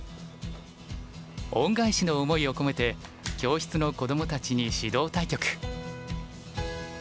恩返しの思いを込めて教室の子供たちに指導対局。